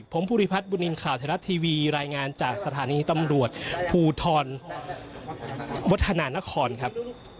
ผมภูริพัฒนบุญนินทร์ข่าวไทยรัฐทีวีรายงานจากสถานีตำรวจภูทรวัฒนานครครับ